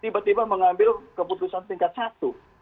tiba tiba mengambil keputusan tingkat satu